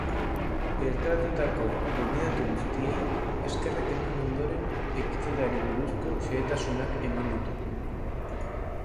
Bertaratutako gonbidatu guztiei eskerrak eman ondoren, ekitaldiari buruzko xehetasunak eman ditu.